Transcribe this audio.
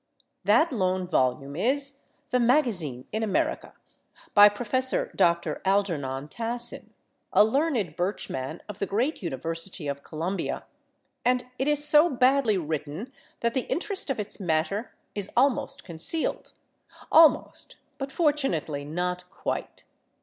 That lone volume is "The Magazine in America," by Prof. Dr. Algernon Tassin, a learned birch man of the great university of Columbia, and it is so badly written that the interest of its matter is almost concealed—almost, but fortunately not quite.